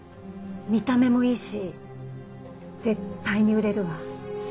見た目もいいし絶対に売れるわ。